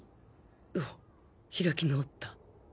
おっ開き直った